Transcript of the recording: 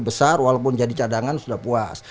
besar walaupun jadi cadangan sudah puas